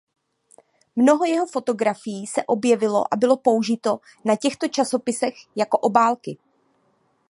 Mnoho jeho fotografií se objevilo a bylo použito na těchto časopisech jako obálky.